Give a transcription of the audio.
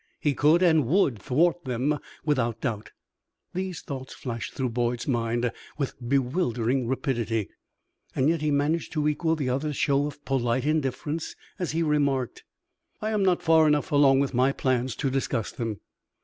he could and would thwart them without doubt. These thoughts flashed through Boyd's mind with bewildering rapidity, yet he managed to equal the other's show of polite indifference as he remarked: "I am not far enough along with my plans to discuss them."